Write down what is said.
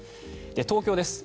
東京です。